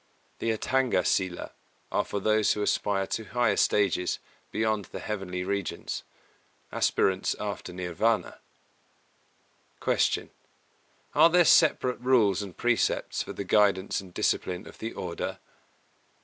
The Atthanga Sīla are for those who aspire to higher stages beyond the heavenly regions, aspirants after Nirvāna. 259. Q. _Are there separate Rules and Precepts for the guidance and discipline of the Order?